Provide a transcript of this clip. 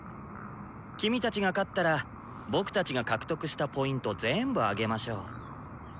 キミたちが勝ったら僕たちが獲得したＰ全部あげましょう。